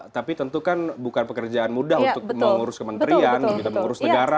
tapi tentu kan bukan pekerjaan mudah untuk mengurus kementerian mengurus negara